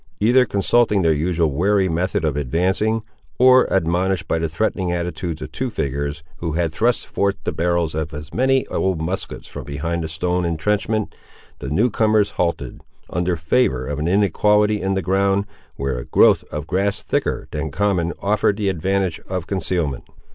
Either consulting their usual wary method of advancing, or admonished by the threatening attitudes of two figures, who had thrust forth the barrels of as many old muskets from behind the stone entrenchment, the new comers halted, under favour of an inequality in the ground, where a growth of grass thicker than common offered the advantage of concealment.